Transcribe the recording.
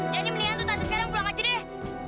jadi mendingan tuh tante sekarang pulang aja deh